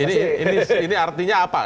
ini artinya apa